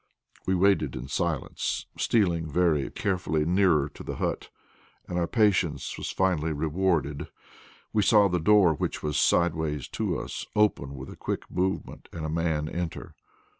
We waited in silence, stealing very carefully nearer to the hut, and our patience was finally rewarded. We saw the door, which was sidewise to us, open with a quick movement and a man enter.